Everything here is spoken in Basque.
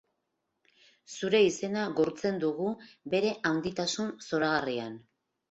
Zure izena gurtzen dugu bere handitasun zoragarrian.